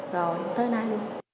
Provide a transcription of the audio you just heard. rồi tới nay luôn